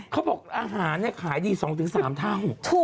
เขาบอกอาหารเนี่ยขายดี๒๓ทาง